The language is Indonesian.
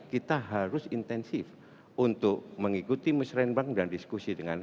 kita harus intensif untuk mengikuti musrembang dan diskusi dengan